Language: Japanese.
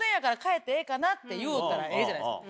って言うたらええじゃないですか。